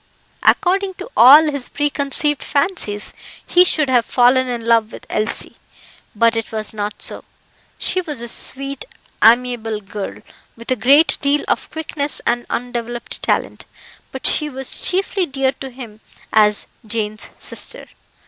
According to all his preconceived fancies, he should have fallen in love with Elsie; but it was not so. She was a sweet, amiable girl, with a great deal of quickness and undeveloped talent, but she was chiefly dear to him as Jane's sister.